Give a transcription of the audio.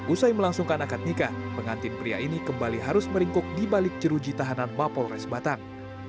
usai melangsungkan akad nikah pengantin pria ini kembali harus meringkuk di balik jeruji tahanan mapolres batang